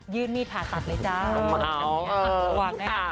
ยืนมีดผ่าตัดเลยจ้า